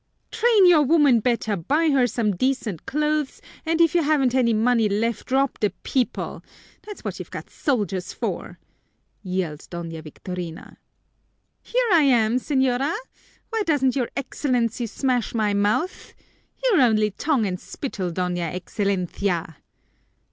"Train your woman better, buy her some decent clothes, and if you haven't any money left, rob the people that's what you've got soldiers for!" yelled Doña Victorina. "Here I am, señora! Why doesn't your Excellency smash my mouth? You're only tongue and spittle, Doña Excelencia!"